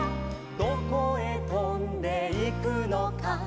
「どこへとんでいくのか」